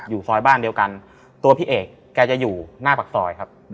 อยู่ซอยบ้านเดียวกันตัวพี่เอกแกจะอยู่หน้าปากซอยครับ